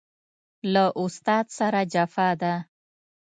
له استاد سره جفا ده